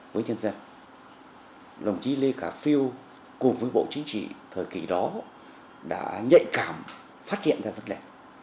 với dân dân lòng trí lê khả phiêu cùng với bộ chính trị thời kỳ đó đã nhạy cảm phát triển ra vấn đề